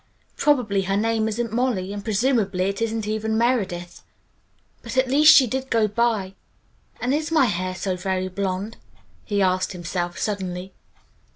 Probably her name isn't Molly, and presumably it isn't even 'Meredith.' But at least she did go by: And is my hair so very blond?" he asked himself suddenly.